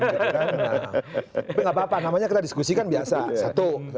tapi nggak apa apa namanya kita diskusikan biasa satu